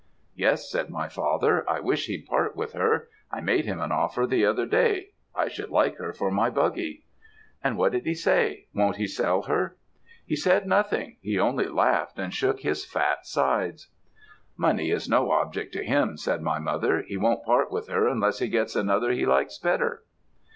"'Yes,' said my father; 'I wish he'd part with her. I made him an offer the other day. I should like her for my buggy.' "'And what did he say? Won't he sell her?' "'He said nothing he only laughed, and shook his fat sides.' "'Money is no object to him,' said my mother, 'he won't part with her unless he gets another he likes better.'